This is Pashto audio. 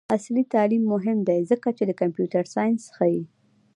عصري تعلیم مهم دی ځکه چې د کمپیوټر ساینس ښيي.